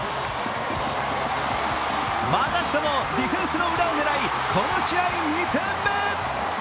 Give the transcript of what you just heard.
またしてもディフェンスの裏を狙い、この試合、２点目。